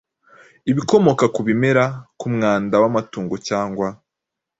ibikomoka ku bimera, ku mwanda w’amatungo cyangwa